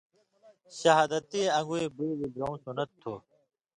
(شہادتیں ان٘گُوی) بُی اولیۡرؤں سُنّت تھُو۔